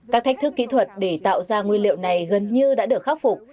các thách thức kỹ thuật để tạo ra nguyên liệu này gần như đã được khắc phục